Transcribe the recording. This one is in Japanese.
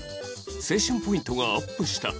青春ポイントがアップした